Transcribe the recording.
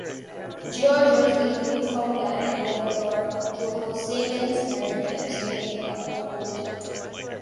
George's in Newfoundland and Labrador, to oppose same-sex marriage by abstaining from a vote.